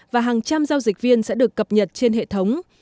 và hàng trăm giao dịch viên sẽ được cập nhật trên hệ thống